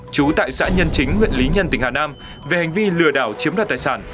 trú tại xã nhân chính huyện lý nhân tỉnh hà nam về hành vi lừa đảo chiếm đoạt tài sản